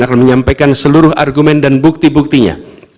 akan menyampaikan seluruh argumen dan bukti buktinya